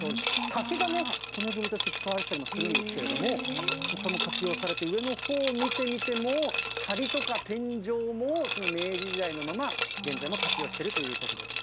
竹が骨組みとして使われてたりするんですけれども、これも活用されて、上のほう見てみても、はりとか天井も明治時代のまま、現在も活用してるということです。